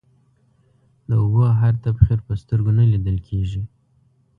د اوبو هر تبخير په سترگو نه ليدل کېږي.